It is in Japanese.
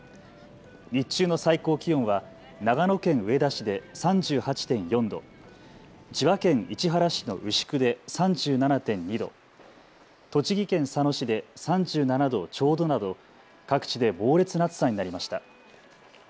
日中の最高気温は長野県上田市で３８．４度、千葉県市原市の牛久で３７．２度、栃木県佐野市で３７度ちょうどなど各地で猛烈な暑さになりました。